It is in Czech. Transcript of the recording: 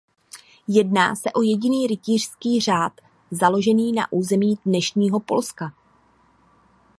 Jedná se o jediný rytířský řád založený na území dnešního Polska.